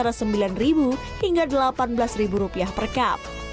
harga rp sembilan hingga rp delapan belas per cup